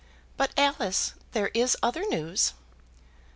But, Alice, there is other news."